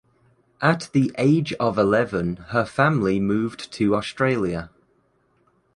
At the age of eleven her family moved to Australia.